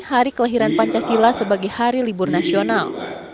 hari kelahiran pancasila sebagai hari libur nasional